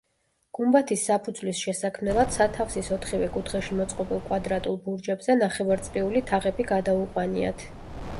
გუმბათის საფუძვლის შესაქმნელად სათავსის ოთხივე კუთხეში მოწყობილ კვადრატულ ბურჯებზე ნახევარწრიული თაღები გადაუყვანიათ.